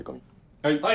はい。